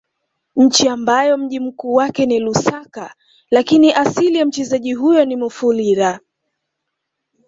Nchi ambayo mji mkuu wake ni Lusaka lakini asili ya mchezaji huyo ni Mufulira